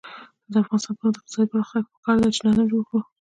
د افغانستان د اقتصادي پرمختګ لپاره پکار ده چې نظم جوړ کړو.